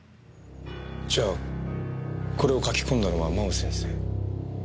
じゃあこれを書き込んだのは真央先生？